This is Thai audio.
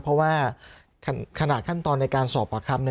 เพราะว่าขนาดขั้นตอนในการสอบปากคำ